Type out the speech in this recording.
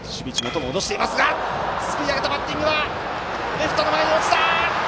レフトの前に落ちた！